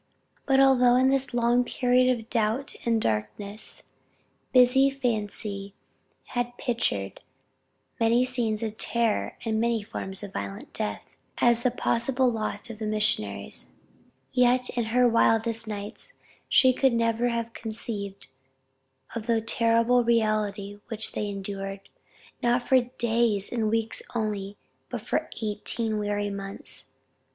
But although in this long period of doubt and darkness, busy fancy had pictured many scenes of terror and many forms of violent death, as the possible lot of the missionaries; yet in her wildest nights she never could have conceived of the terrible reality which they endured, not for days and weeks only, but for eighteen weary months.